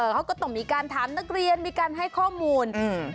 เขาก็ต้องมีการถามนักเรียนมีการให้ข้อมูลอืม